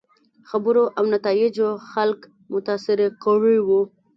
خبرو او نتایجو خلک متاثره کړي وو.